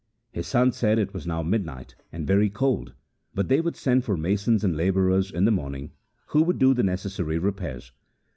His sons said it was now midnight and very cold, but they would send for masons and labourers in the morning, who would do the necessary repairs.